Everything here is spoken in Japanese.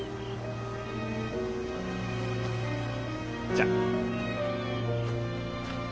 じゃあ。